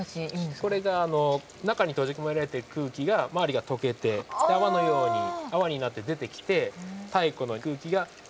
これが中に閉じ込められてる空気が周りがとけて泡のように泡になって出てきて太古の空気が現代によみがえる。